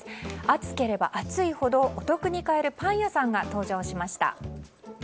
暑ければ暑いほどお得に買えるパン屋さんが登場しました。